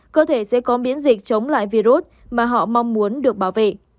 cơ thể sẽ có miễn dịch chống lại virus mà họ mong muốn được bảo vệ